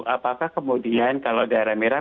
apakah kemudian kalau daerah merah